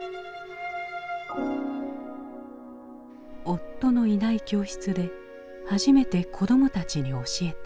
夫のいない教室で初めて子どもたちに教えた。